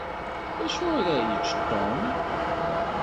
D acu ara yečč Tom?